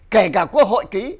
kể cả quốc hội ký